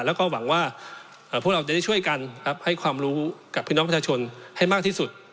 แล้วก็หวังว่าพวกเราจะได้ช่วยกันให้ความรู้กับพี่น้องประชาชนให้มากที่สุด